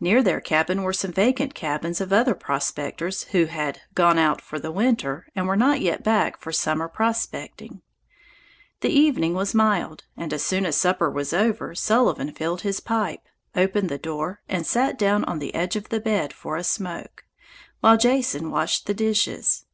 Near their cabin were some vacant cabins of other prospectors, who had "gone out for the winter" and were not yet back for summer prospecting. The evening was mild, and as soon as supper was over Sullivan filled his pipe, opened the door, and sat down on the edge of the bed for a smoke, while Jason washed the dishes.